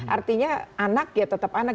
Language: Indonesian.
artinya anak ya tetap anak